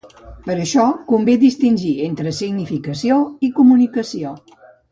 Per això convé distingir entre significació i comunicació.